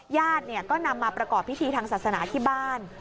ญาติก็นำมาประกอบพิธีทางศาสนาที่บ้าน